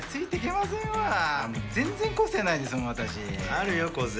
あるよ個性。